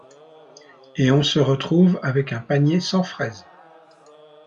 Et on se retrouve avec un panier sans fraise.